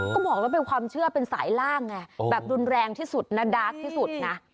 ก็บอกแล้วเป็นความเชื่อเป็นสายล่างไงแบบรุนแรงที่สุดนะดาร์กที่สุดนะ